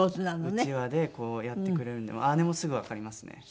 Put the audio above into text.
うちわでこうやってくれるんで姉もすぐわかりますね。